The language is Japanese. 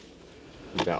じゃあ。